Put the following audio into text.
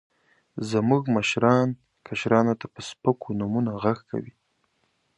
زموږ مشران، کشرانو ته په سپکو نومونو غږ کوي.